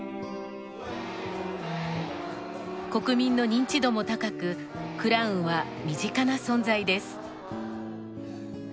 国民の認知度も高くクラウンは身近な存在です。